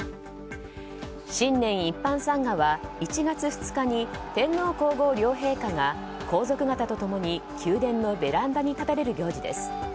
新年一般参賀は１月２日に天皇・皇后両陛下が皇族方と共に宮殿のベランダに立たれる行事です。